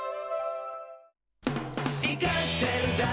「イカしてるだろ？」